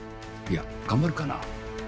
いや頑張るかな？